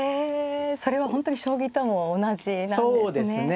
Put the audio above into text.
それは本当に将棋とも同じなんですね。